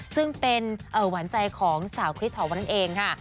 ซึ่งเป็นหวานใจของสาวคริสหอวันนั่นเองค่ะ